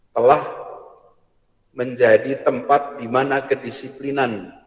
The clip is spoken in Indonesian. telah menjadi tempat di mana kedisiplinan